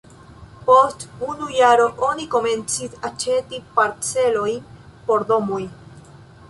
Post unu jaro oni komencis aĉeti parcelojn por domoj.